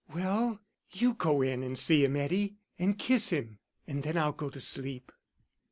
"Well, you go in and see him, Eddie, and kiss him, and then I'll go to sleep."